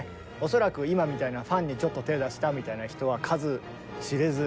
恐らく今みたいなファンにちょっと手出したみたいな人は数知れず。